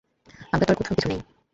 আমার তো আর কোথাও কিছু নেই।